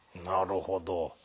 なるほど。